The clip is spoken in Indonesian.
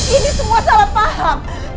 ini semua salah paham